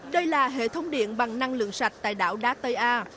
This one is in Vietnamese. đây là hệ thống điện bằng năng lượng sạch tại đảo đá tây a